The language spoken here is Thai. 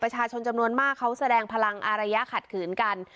ประชาชนจำนวนมากเขาแสดงพลังอารยะขัดขืนกัน